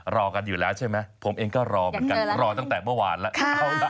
รอกันอยู่แล้วใช่ไหมผมเองก็รอเหมือนกันรอตั้งแต่เมื่อวานแล้ว